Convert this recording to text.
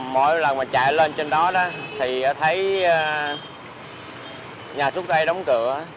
mỗi lần mà chạy lên trên đó thì thấy nhà thuốc tây đóng cửa